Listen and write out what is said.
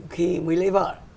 khi mới lấy vợ